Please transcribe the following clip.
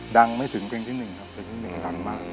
ดังไม่ถึงเพลงที่๑นะครับ